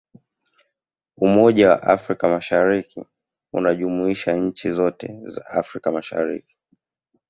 umoja wa afrika mashariki unajumuisha nchi zote za afrika mashariki